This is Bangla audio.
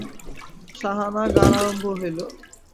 সাহানা গান আরম্ভ হইল।